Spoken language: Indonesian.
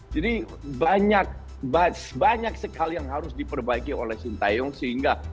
jadi banyak sekali yang harus diperbaiki oleh sintayong sehingga